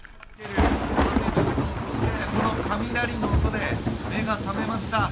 この雷の音で目が覚めました。